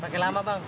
pakai lama bang